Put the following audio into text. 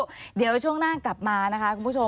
ว่าเดี๋ยวช่วงหน้ากลับมานะคะ